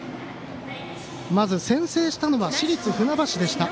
まず先制したのは市立船橋でした。